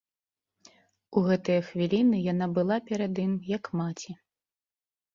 У гэтыя хвіліны яна была перад ім, як маці.